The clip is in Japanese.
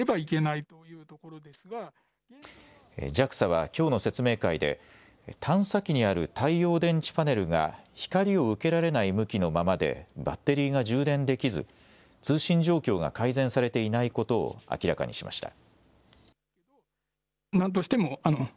ＪＡＸＡはきょうの説明会で探査機にある太陽電池パネルが光を受けられない向きのままでバッテリーが充電できず通信状況が改善されていないことを明らかにしました。